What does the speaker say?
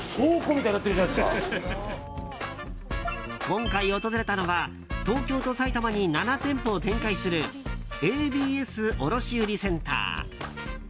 今回訪れたのは東京と埼玉に７店舗を展開するＡＢＳ卸売センター。